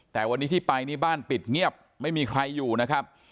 แต่วันนี้ที่ไปนี่บ้านปิดเงียบไม่มีใครอยู่นะครับ